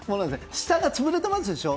下が潰れてますでしょ。